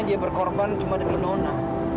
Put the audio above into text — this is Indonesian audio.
dia berkorban cuma dengan dona